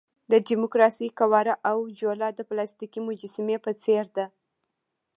د ډیموکراسۍ قواره او جوله د پلاستیکي مجسمې په څېر ده.